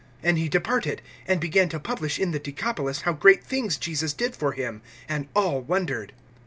(20)And he departed, and began to publish in the Decapolis how great things Jesus did for him; and all wondered.